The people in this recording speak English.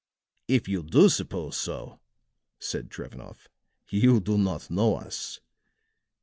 "If you do suppose so," said Drevenoff, "you do not know us.